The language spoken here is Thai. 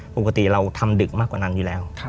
ปกติเราทำดึกมากกว่านั้นอยู่แล้ว